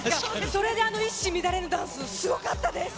それであの一糸乱れぬダンス、すごかったです。